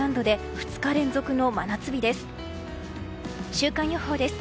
週間予報です。